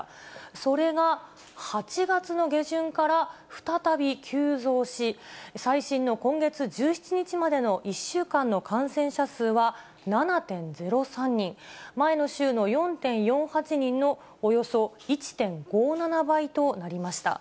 それが８月の下旬から、再び急増し、最新の今月１７日までの１週間の感染者数は７．０３人、前の週の４．４８人のおよそ１．５７倍となりました。